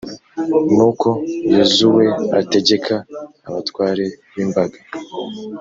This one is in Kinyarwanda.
nuko yozuwe ategeka abatware b’imbaga.